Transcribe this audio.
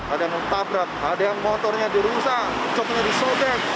ada yang menabrak ada yang motornya dirusak coba coba disodek